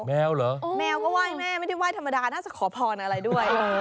แมวเหรอแมวก็ไหว้แม่ไม่ได้ไหว้ธรรมดาน่าจะขอพรอะไรด้วย